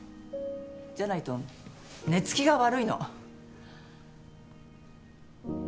じゃないと寝つきが悪いの。